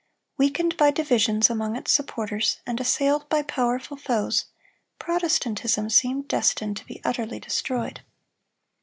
Weakened by divisions among its supporters, and assailed by powerful foes, Protestantism seemed destined to be utterly destroyed.